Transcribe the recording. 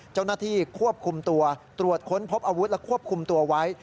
เจ้าหน้าที่ควบคุมตัวตรวจค้นพบอาวุธและควบคุมตัวไว้